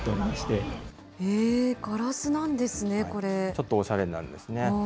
ちょっとおしゃれなんですね。